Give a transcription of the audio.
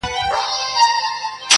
چي مي نظم ته هر توری ژوبل راسي!